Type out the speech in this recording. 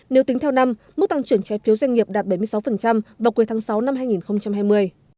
nếu tính theo năm mức tăng trưởng trái phiếu doanh nghiệp đạt bảy mươi sáu vào cuối tháng sáu năm hai nghìn hai mươi